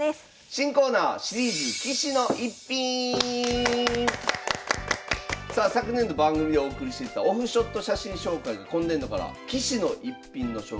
新コーナーシリーズさあ昨年度番組でお送りしてきたオフショット写真紹介が今年度から「棋士の逸品」の紹介になります。